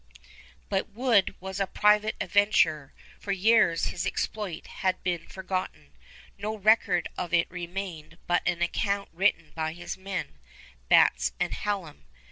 But Wood was a private adventurer. For years his exploit had been forgotten. No record of it remained but an account written by his men, Batts and Hallam.